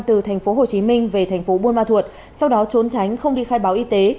từ tp hồ chí minh về tp buôn ma thuột sau đó trốn tránh không đi khai báo y tế